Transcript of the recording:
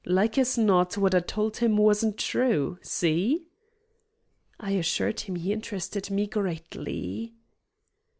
Like as not what I told him wasn't true. See?" I assured him he interested me greatly.